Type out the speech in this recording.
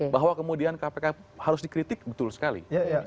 bahwa kemudian kpk harus dikritik betul sekali